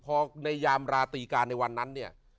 พอในยามราตรีการในวันนั้นเนี่ย